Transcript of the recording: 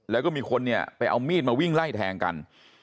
แล้วก็มีคนเนี่ยไปเอามีดมาวิ่งไล่แทงกัน